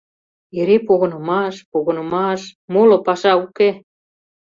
Эре погынымаш, погынымаш, моло паша уке!..